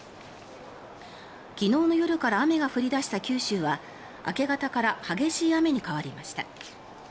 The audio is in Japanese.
昨日の夜から雨が降り出した九州は明け方から激しい雨に変わりました。